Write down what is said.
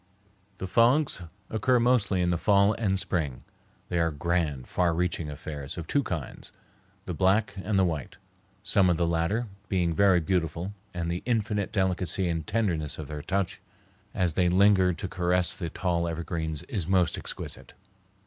The fogs occur mostly in the fall and spring. They are grand, far reaching affairs of two kinds, the black and the white, some of the latter being very beautiful, and the infinite delicacy and tenderness of their touch as they linger to caress the tall evergreens is most exquisite.